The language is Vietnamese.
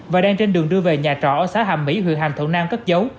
và đang trên đường đưa về nhà trọ ở xã hạm mỹ huyện hàm thuận nam cất dấu